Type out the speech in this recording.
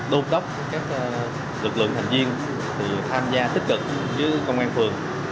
đô tóc các lực lượng thành viên thì tham gia tích cực với công an phường